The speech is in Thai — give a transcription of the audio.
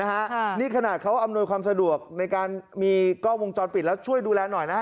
นี่ขนาดเขาอำนวยความสะดวกในการมีกล้องวงจรปิดแล้วช่วยดูแลหน่อยนะฮะ